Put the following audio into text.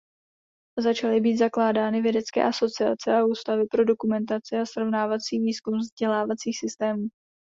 Začaly být zakládány vědecké asociace a ústavy pro dokumentaci a srovnávací výzkum vzdělávacích systémů.